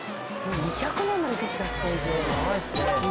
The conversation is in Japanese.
２００年の歴史だって長いっすね